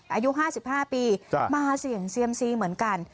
อายุ๕๕ปีมาเสี่ยงเซียมซีเหมือนกัน